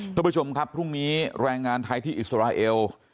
พระปฏิบัติชมครับพรุ่งนี้แรงงานไทยที่อิสราเอล